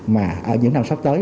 mà ở những năm sắp tới